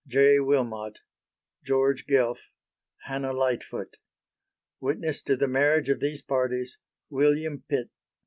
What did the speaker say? "J. Wilmot." "George Guelph." "Hannah Lightfoot." Witness to the marriage of these parties, "William Pitt."